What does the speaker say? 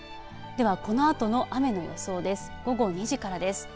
このあとの雨の予想です。